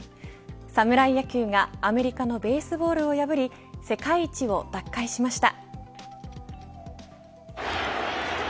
侍野球がアメリカのベースボールを破り世界一を奪回しました。